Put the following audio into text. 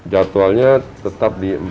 jadwalnya tetap di